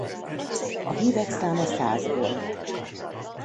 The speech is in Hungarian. A hívek száma száz volt.